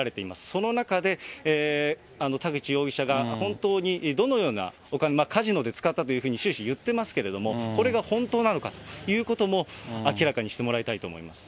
その中で田口容疑者が本当にどのようなお金、カジノで使ったというふうに終始言ってますけど、これが本当なのかということも明らかにしてもらいたいと思います。